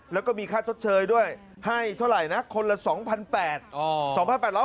แล้วก็มีค่าชดเชยด้วยให้เท่าไหร่นะคนละ๒๘๐๐บาท